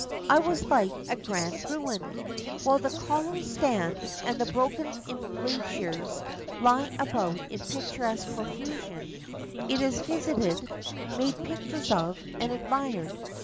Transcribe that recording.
I was like a grand ruin: while the columns stand, and the broken entablatures lie about in picturesque profusion, it is visited, made pictures of, and admired.